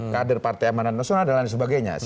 karder partai amanan nasional dan lain sebagainya